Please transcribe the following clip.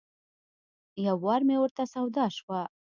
یو وار مې ورته سودا شوه.